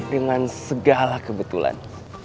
dengan segala kebenaran